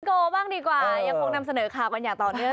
โกว่าบ้างดีกว่ายังคงนำเสนอค่าปัญญาต่อเท่าไหร่